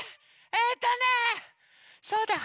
えとねそうだ！